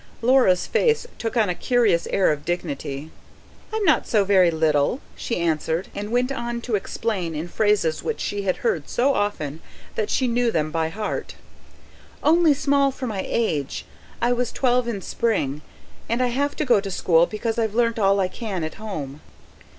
Laura's face took on a curious air of dignity. "I'm not so very little," she answered; and went on to explain, in phrases which she had heard so often that she knew them by heart: "Only small for my age. I was twelve in spring. And I have to go to school, because I've learnt all I can at home."